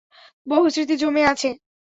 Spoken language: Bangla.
বহু স্মৃতি জমে আছে।